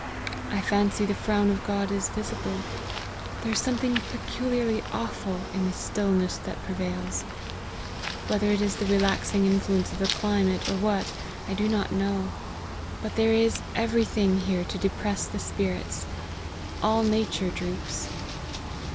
I fancy the frown of God is visible ; there is something pe culiarly awful in the stillness that prevails. Whe ther it is the relaxing influence of the climate, or what, I do not know ; but there is every thing here to depress the spirits all nature droops."